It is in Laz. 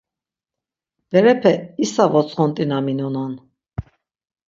Berepe isa votsxont̆inaminonan.